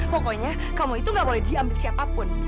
pokoknya kamu itu gak boleh diam di siapapun